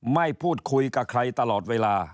พูดคุยกับใครตลอดเวลา